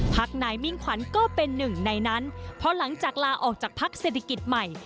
นายมิ่งขวัญก็เป็นหนึ่งในนั้นพอหลังจากลาออกจากพักเศรษฐกิจใหม่